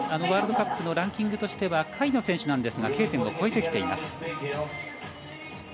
ワールドカップのランキングにしては下位の選手なんですがＫ点を越えてきています。